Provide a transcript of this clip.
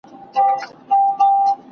د فشارونو له امله غوسه شدیدېږي.